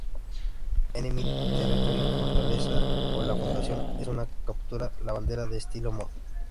Enemy Territory fortaleza, o la Fundación, es un capturar la bandera de estilo mod.